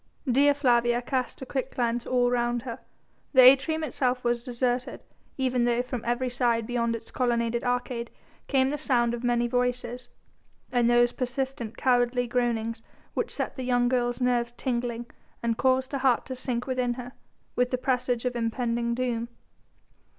Dea Flavia cast a quick glance all round her. The atrium itself was deserted, even though from every side beyond its colonnaded arcade came the sound of many voices and those persistent, cowardly groanings which set the young girl's nerves tingling and caused her heart to sink within her, with the presage of impending doom.